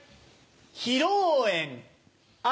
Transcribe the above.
披露宴あ